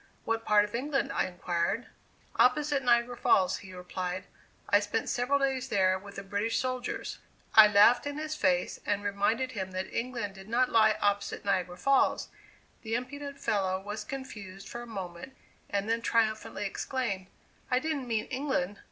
"What part of England?" I inquired. "Opposite Niagara Falls," he replied; "I spent several days there with the British soldiers." I laughed in his face, and reminded him that England did not lie opposite Niagara Falls. The impudent fellow was confused for a moment, and then triumphantly exclaimed: "I didn't mean England.